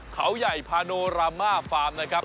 เขาใหญ่พาโนรามาฟาร์มนะครับ